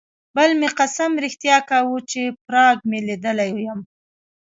بل مې قسم رښتیا کاوه چې پراګ مې لیدلی یم.